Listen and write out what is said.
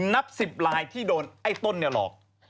นับ๑๐ลายที่โดนไอ้ต้นเนี่ยหลอก